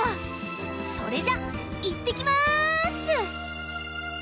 それじゃいってきます！